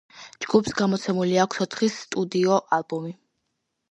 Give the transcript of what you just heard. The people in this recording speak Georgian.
ჯგუფს გამოცემული აქვს ოთხი სტუდიური ალბომი.